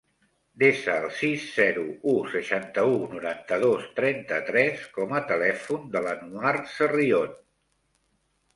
Desa el sis, zero, u, seixanta-u, noranta-dos, trenta-tres com a telèfon de l'Anouar Sarrion.